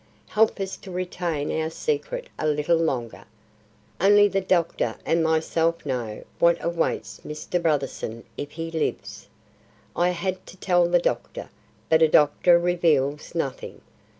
Help us to retain our secret a little longer. Only the doctor and myself know what awaits Mr. Brotherson if he lives. I had to tell the doctor, but a doctor reveals nothing.